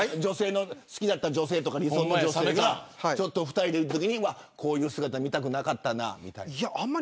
好きだった女性とかに２人でいるときにこういう姿見たくなかったみたいな。